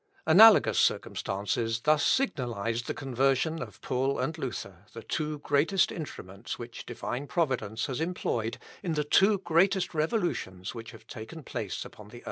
Analogous circumstances thus signalised the conversion of Paul and Luther, the two greatest instruments which Divine Providence has employed in the two greatest revolutions which have taken place upon the earth.